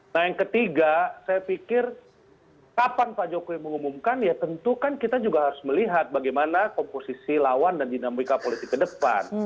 nah yang ketiga saya pikir kapan pak jokowi mengumumkan ya tentu kan kita juga harus melihat bagaimana komposisi lawan dan dinamika politik ke depan